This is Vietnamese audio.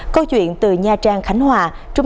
câu chuyện từ nha trang khánh hòa